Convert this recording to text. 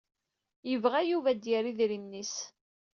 Yebɣa Yuba ad yerr idrimen-is.